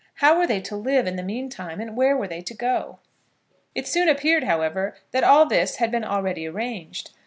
How were they to live in the mean time, and where were they to go? It soon appeared, however, that all this had been already arranged.